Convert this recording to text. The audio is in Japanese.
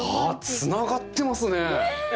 つながってますね。